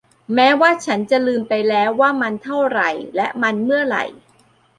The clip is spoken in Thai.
แม้ว่าฉันจะลืมไปแล้วว่ามันเท่าไหร่ และมันเมื่อไหร่